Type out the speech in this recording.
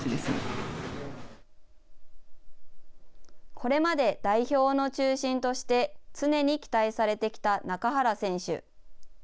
これまで代表の中心として常に期待されてきた中原選手。